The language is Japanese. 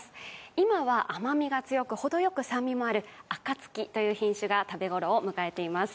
今は甘みが強く、ほどよく酸味もあり、あかつきという品種が食べ頃を迎えています。